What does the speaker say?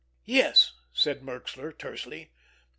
"Yes," said Merxler tersely.